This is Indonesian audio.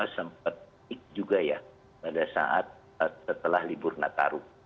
sempat juga ya pada saat setelah libur nataru